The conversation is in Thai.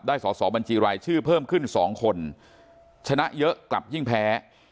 สอสอบัญชีรายชื่อเพิ่มขึ้น๒คนชนะเยอะกลับยิ่งแพ้